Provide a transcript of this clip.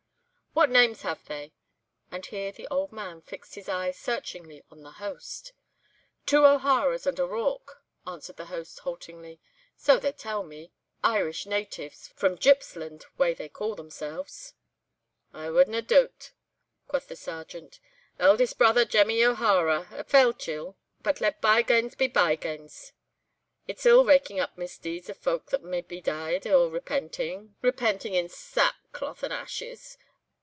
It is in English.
What names have they?" And here the old man fixed his eye searchingly on the host. "Two O'Haras and a Rorke," answered the host, haltingly. "So they tell me—'Irish natives,' from Gippsland way they call themselves." "I wadna doot," quoth the Sergeant. "Eldest brother Jemmy O'Hara, a fell chiel. But let byganes be byganes. It's ill raking up misdeeds of fouk that's maybe deid or repenting, repenting in sa ack cloth and ashes.